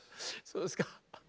そうですか。